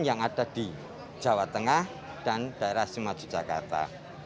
yang ada di jawa tengah dan daerah simaju jakarta